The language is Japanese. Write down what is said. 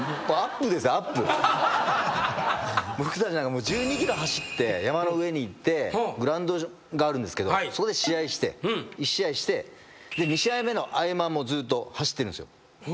僕たちなんか１２ｋｍ走って山の上に行ってグラウンドがあるんですけどそこで試合して１試合して２試合目の合間もずっと走ってるんすよ。